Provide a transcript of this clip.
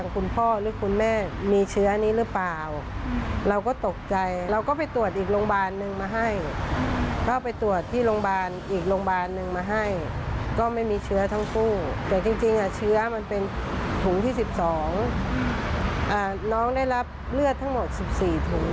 คุณหมอบอกว่าก็คือเลือดถุงนี้